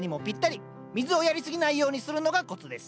水をやりすぎないようにするのがコツです。